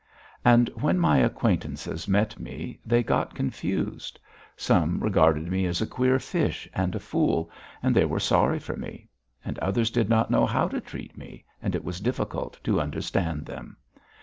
And when my acquaintances met me they got confused. Some regarded me as a queer fish and a fool, and they were sorry for me; others did not know how to treat me and it was difficult to understand them.